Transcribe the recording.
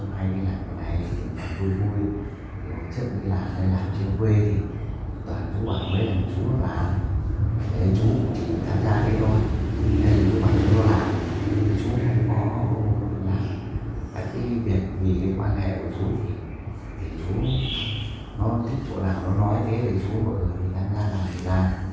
bà hoàng hơn bà nga chính là con dâu của bà hoàng thị nhung giám đốc công ty người điều hành phiên đấu giá hợp danh miền trung